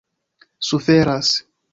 suferas